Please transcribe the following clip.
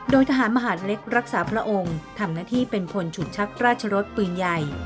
โดยทหารมหาดเล็กรักษาพระองค์ทำหน้าที่เป็นคนฉุดชักราชรสปืนใหญ่